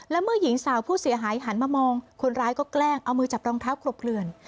และเมื่อหญิงสาวผู้เสียหายหันมามองคนร้ายก็แกล้งเอามือจับรองเท้าขลบเคลื่อน